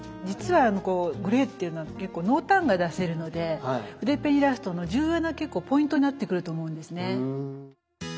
実はグレーっていうのは結構濃淡が出せるので筆ペンイラストの重要な結構ポイントになってくると思うんですね。